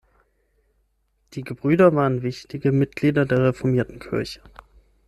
Die Gebrüder waren wichtige Mitglieder der Reformierten Kirche.